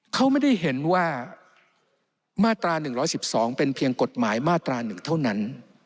เขาไม่ได้เห็นว่ามาตรา๑๑๒เป็นเพียงกฎหมายมาตรา๑เท่านั้น